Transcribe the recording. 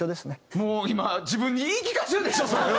もう今自分に言い聞かせてるでしょそれは。